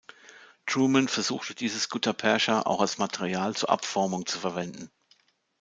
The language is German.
Truman versuchte dieses Guttapercha auch als Material zur Abformung zu verwenden.